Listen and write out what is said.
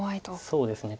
そうですね。